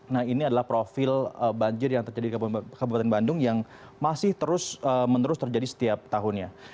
nah ini adalah profil banjir yang terjadi di kabupaten bandung yang masih terus menerus terjadi setiap tahunnya